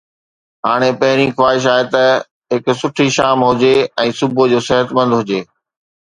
هاڻي، پهرين خواهش آهي ته هڪ سٺي شام هجي ۽ صبح جو صحتمند هجي.